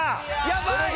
やばい！